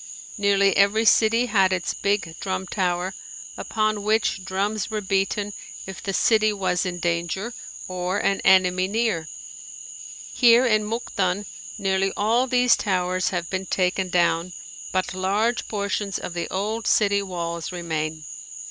Nearly every city had its big Drum Tower upon which drums were beaten if the city was in danger or an enemy near. Here in Mukden nearly all these towers have been taken down, but large portions of the old city walls remain.